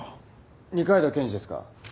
二階堂検事ですか？